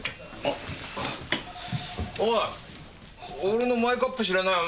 俺のマイカップ知らない？